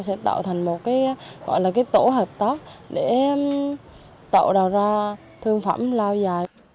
sẽ tạo thành một tổ hợp tác để tạo ra thương phẩm lao dài